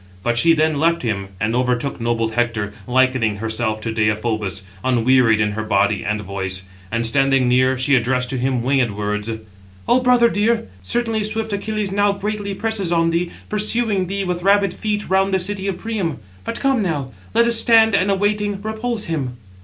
But she then left him, and overtook noble Hector, likening herself to Deïphobus, unwearied in her body and voice; and, standing near, she addressed to him winged words: "O brother dear, certainly swift Achilles now greatly presses on thee, pursuing thee with rapid feet round the city of Priam. But come now, let us stand, and, awaiting, repulse him."